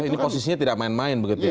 ini posisinya tidak main main begitu ya